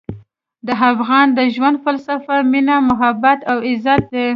د افغان د ژوند فلسفه مینه، محبت او عزت دی.